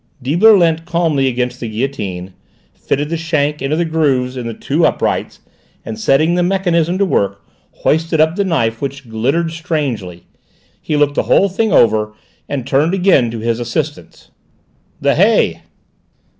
Deibler leant calmly against the guillotine, fitted the shank into the grooves in the two uprights, and, setting the mechanism to work, hoisted up the knife which glittered strangely; he looked the whole thing over and turned again to his assistants. "The hay!"